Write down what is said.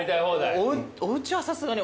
おうちはさすがに。